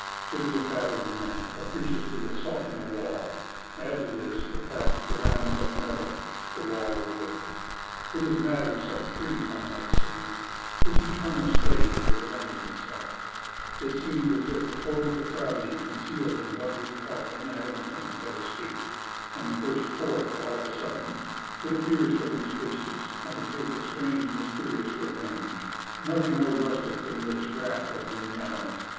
It is a battering ram capriciously assaulting a wall. Add to this, the fact that the ram is of metal, the wall of wood. It is matter set free; one might say, this eternal slave was avenging itself; it seems as if the total depravity concealed in what we call inanimate things had escaped, and burst forth all of a sudden; it appears to lose patience, and to take a strange mysterious revenge; nothing more relentless than this wrath of the inanimate.